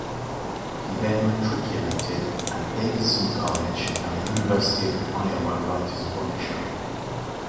He then matriculated at Davidson College and the University of Iowa Writers' Workshop.